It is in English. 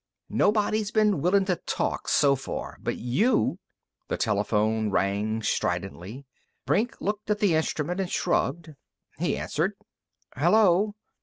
Nobody's been willin' to talk, so far. But you " The telephone rang stridently. Brink looked at the instrument and shrugged. He answered. "Hello....